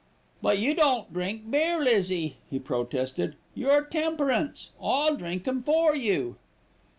"But you don't drink beer, Lizzie," he protested. "You're temperance. I'll drink 'em for you."